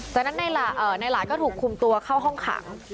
จากนั้นนายหลายก็ถูกคุมตัวเข้าห้องขัง